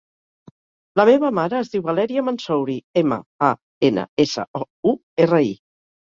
La meva mare es diu Valèria Mansouri: ema, a, ena, essa, o, u, erra, i.